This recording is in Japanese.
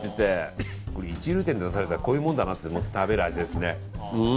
一流店で出されたらこういうものだなって食べる味ですね。